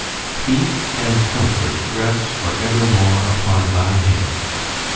——Peace and comfort rest for evermore upon thy head!